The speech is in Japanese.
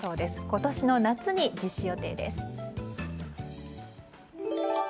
今年の夏に実施予定です。